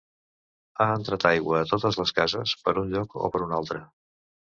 Ha entrat aigua a totes les cases, per un lloc o per un altre.